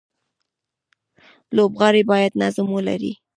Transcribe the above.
لوبغاړي باید نظم ولري.